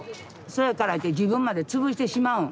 そやからって自分までつぶしてしまうん？